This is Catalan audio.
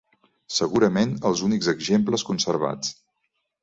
Segurament els únics exemples conservats.